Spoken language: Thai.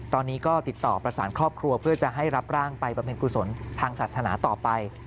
ตอนนี้ก็ติดต่อประสานครอบครัวเพื่อจะให้รับร่างไปบำเพ็ญกุศลทางศาสนาต่อไป